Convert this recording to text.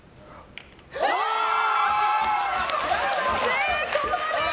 成功です！